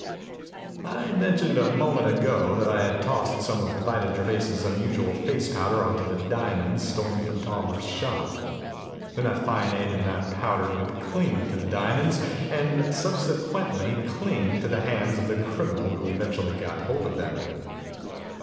"I mentioned a moment ago that I had tossed some of Vida Gervais' unusual face powder onto the diamonds stolen from Tauber's shop. The naphthionate in that powder would cling to the diamonds and subsequently cling to the hands of the criminal who eventually got hold of them.